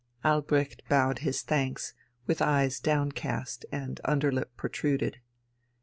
Albrecht bowed his thanks with eyes downcast and underlip protruded.